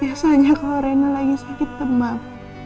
biasanya kalau rena lagi sakit tema